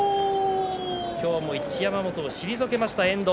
今日も一山本を退けました遠藤。